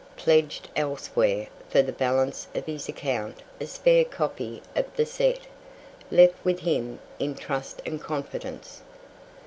pledged elsewhere for the balance of his account a spare copy of the set, left with him in trust and confidence.